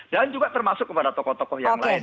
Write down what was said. dan juga termasuk kepada tokoh tokoh yang lain